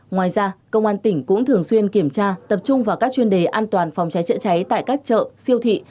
ngoài ra công an tỉnh cũng thường xuyên kiểm tra tập trung vào các chuyên đề an toàn phòng cháy chữa cháy tại các chợ siêu thị